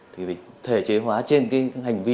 thì phải thể chế hóa trên cái hành vi